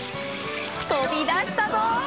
飛び出したぞ！